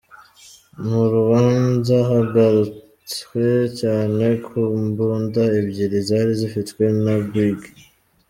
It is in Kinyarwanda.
Mu rubanza hagarutswe cyane ku mbunda ebyiri zari zifitwe na Brig.